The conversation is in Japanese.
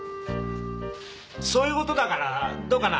そういうことだからどうかな？